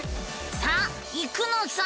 さあ行くのさ！